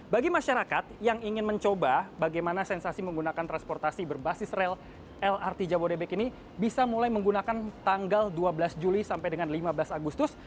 bagi masyarakat yang ingin mencoba bagaimana sensasi menggunakan transportasi berbasis rel lrt jabodebek ini bisa mulai menggunakan tanggal dua belas juli sampai dengan lima belas agustus